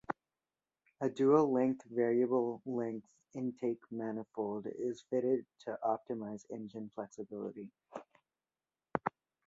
A dual-length Variable Length Intake Manifold is fitted to optimise engine flexibility.